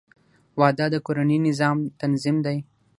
• واده د کورني نظام تنظیم دی.